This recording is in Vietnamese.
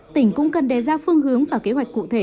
tỉnh cũng cần đề ra phương hướng và kế hoạch cụ thể